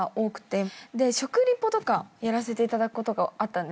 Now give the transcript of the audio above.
食リポやらせていただくことがあったんですよ。